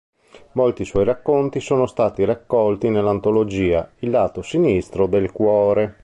Molti suoi racconti sono stati raccolti nell’antologia "Il lato sinistro del cuore".